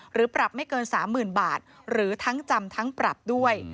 หรือปรับไม่เกิน๓๐๐๐บาทหรือทั้งจำทั้งปรับด้วย